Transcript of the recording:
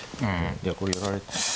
いやこれやられ。